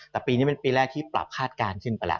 แต่ปีนี้เป็นปีแรกที่ปรับคาดการณ์ขึ้นไปแล้ว